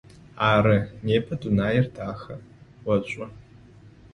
Ары, непэ дунаир дахэ, ошӏу.